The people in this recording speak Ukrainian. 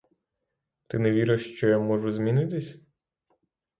Ти не віриш, що я можу змінитись?